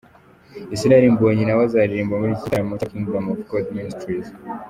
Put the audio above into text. Israel Mbonyi na we azaririmba muri iki gitaramo cya Kingdom of God Ministries.